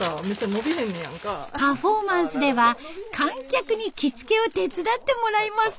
パフォーマンスでは観客に着付けを手伝ってもらいます。